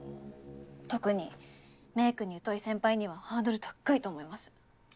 特にメイクに疎い先輩にはハードル高っかいと思います。